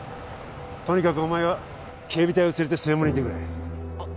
とにかくお前は警備隊を連れて正門にいてくれあっ